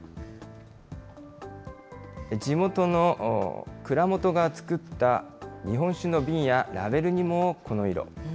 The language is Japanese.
地元の蔵元が作った日本酒の瓶やラベルにもこの色。